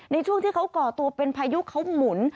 ในช่วงที่เขาก่อตัวเป็นพายุเขาหมุน